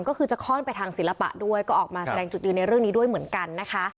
ก็คือจะคล่อนไปทางศิลปะด้วยก็ออกมาแสดงจุดยืนในเรื่องนี้ด้วยเหมือนกันนะคะ